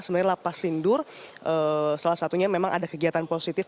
sebenarnya lapas sindur salah satunya memang ada kegiatan positif